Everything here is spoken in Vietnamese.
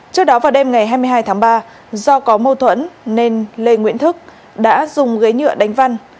trước đó vào đêm ngày hai mươi hai tháng ba do có mâu thuẫn nên lê nguyễn thức đã dùng ghế nhựa đánh văn